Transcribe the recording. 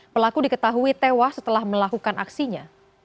pelaku diketahui tewas setelah melakukan aksinya